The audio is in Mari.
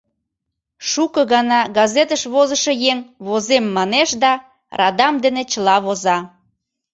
Шуко гана газетыш возышо еҥ возем манеш да радам дене чыла воза.